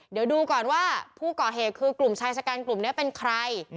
เดี๋ยวดูก่อนว่าผู้ก่อเหตุคือกลุ่มชายชะกันกลุ่มนี้เป็นใคร